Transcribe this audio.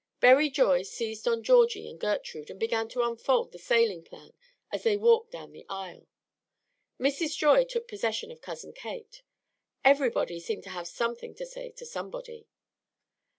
Berry Joy seized on Georgie and Gertrude, and began to unfold the sailing plan as they walked down the aisle. Mrs. Joy took possession of Cousin Kate. Everybody seemed to have something to say to somebody.